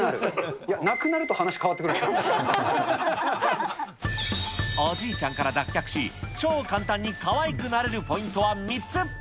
いや、おじいちゃんから脱却し、超簡単にかわいくなれるポイントは３つ。